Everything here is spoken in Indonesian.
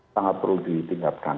sangat perlu ditingkatkan